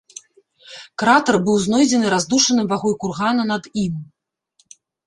Кратар быў знойдзены раздушаным вагой кургана над ім.